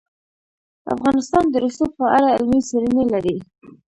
افغانستان د رسوب په اړه علمي څېړنې لري.